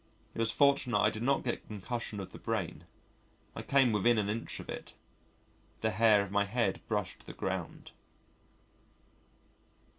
It was fortunate I did not get concussion of the brain I came within an inch of it: the hair of my head brushed the ground.